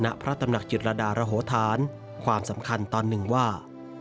พระตำหนักจิตรดารโหธานความสำคัญตอนหนึ่งว่า